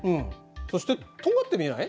そしてとんがって見えない？